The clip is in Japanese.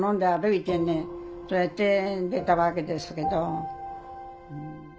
そうやって出たわけですけど。